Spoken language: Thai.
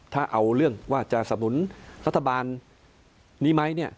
ถ้าเอาเรื่องจะสนุนรัฐบาลนี้ไหม